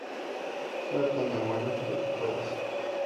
Sin embargo la historia nunca fue confirmada de forma independiente.